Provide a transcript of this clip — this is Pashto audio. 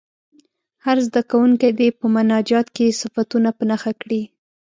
هر زده کوونکی دې په مناجات کې صفتونه په نښه کړي.